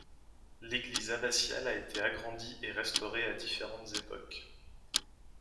L'église abbatiale a été agrandie et restaurée à différente époques.